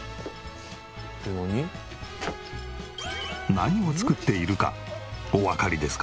何を作っているかおわかりですか？